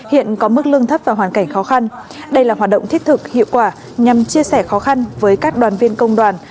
hiện có mức lương thấp và hoàn cảnh khó khăn đây là hoạt động thiết thực hiệu quả nhằm chia sẻ khó khăn với các đoàn viên công đoàn